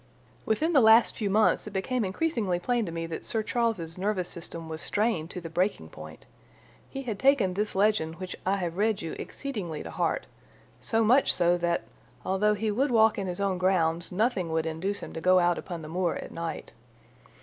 "Within the last few months it became increasingly plain to me that Sir Charles's nervous system was strained to the breaking point. He had taken this legend which I have read you exceedingly to heart—so much so that, although he would walk in his own grounds, nothing would induce him to go out upon the moor at night.